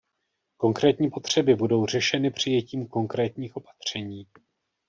Konkrétní potřeby budou řešeny přijetím konkrétních opatření.